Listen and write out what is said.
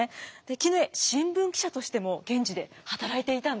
絹枝新聞記者としても現地で働いていたんです。